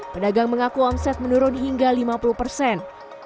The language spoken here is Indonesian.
pedagang mengaku omset menurun hingga lima puluh persen